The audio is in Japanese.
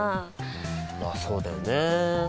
うんまあそうだよね。